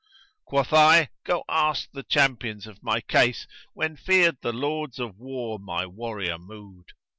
Quoth I, 'Go ask the champions of my case, * When feared the Lords of war my warrior mood!